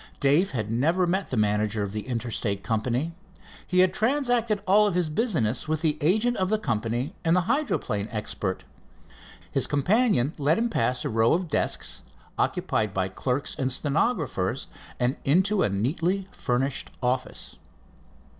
Dave had never met the manager of the Interstate Company. He had transacted all his business with the agent of the company and the hydroplane expert. His companion led him past a row of desks occupied by clerks and stenographers and into a neatly furnished office.